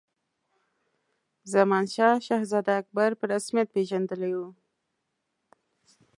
زمانشاه شهزاده اکبر په رسمیت پېژندلی وو.